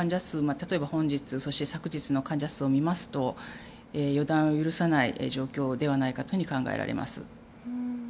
例えば、本日そして昨日の患者数を見ますと予断を許さない状況ではないかと考えられます。